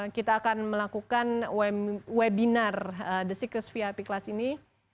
kita akan melakukan webinar the cyccus vip class ini